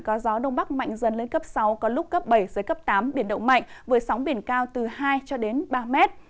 có gió đông bắc mạnh dần lên cấp sáu có lúc cấp bảy tám biển động mạnh với sóng biển cao từ hai ba m